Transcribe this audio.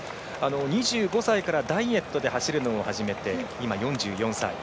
２５歳からダイエットで走るのを始めて今、４４歳。